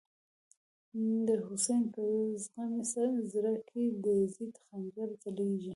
د «حسین» په زغمی زړه کی، د یزید خنجر ځلیږی